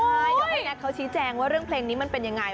ใช่ถ้าไปเนอะเขาชี้แจงว่าเรื่องเพลงนี้มันเป็นยังไง